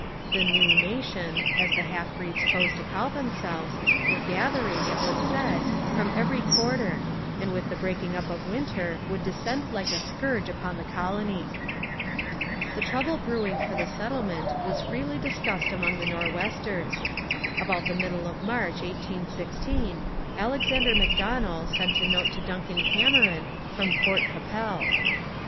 The 'New Nation,' as the half breeds chose to call themselves, were gathering, it was said, from every quarter, and with the breaking up of winter would descend like a scourge upon the colony. The trouble brewing for the settlement was freely discussed among the Nor'westers. About the middle of March 1816 Alexander Macdonell sent a note to Duncan Cameron from Fort Qu'Appelle.